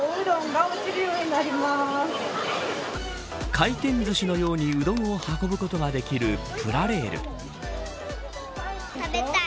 回転ずしのようにうどんを運ぶことができるプラレール。